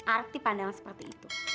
arti pandangan seperti itu